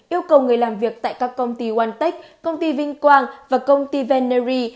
yêu cầu người làm việc tại các công ty onetech công ty vinh quang và công ty veneri